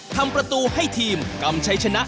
ทำประตูให้ทีมกำชัยชนะ